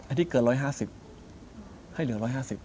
ที่เกิน๑๕๐ให้เหลือ๑๕๐